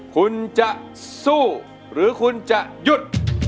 คุณจะสู้หรือคุณจะหยุด